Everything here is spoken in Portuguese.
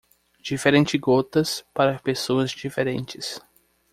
Diferentes gotas para pessoas diferentes.